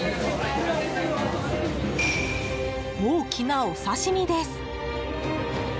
大きなお刺し身です！